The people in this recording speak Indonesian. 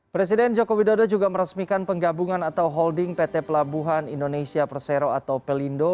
presiden joko widodo juga meresmikan penggabungan atau holding pt pelabuhan indonesia persero atau pelindo